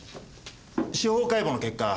司法解剖の結果